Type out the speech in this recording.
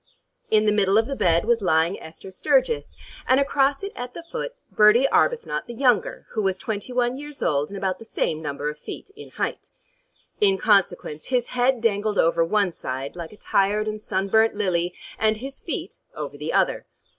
In the middle of the bed was lying Esther Sturgis, and across it at the foot Bertie Arbuthnot the younger, who was twenty one years old and about the same number of feet in height. In consequence his head dangled over one side like a tired and sunburnt lily, and his feet over the other.